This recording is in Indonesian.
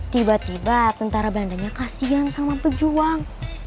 tiba tiba tentara belandanya kasihan sama pejuang